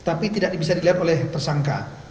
tapi tidak bisa dilihat oleh tersangka